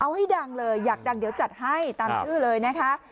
เอาให้ดังเลยอยากดังเดี๋ยวจัดให้ตามชื่อเลยนะคะ